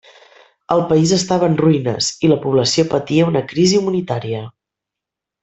El país estava en ruïnes i la població patia una crisi humanitària.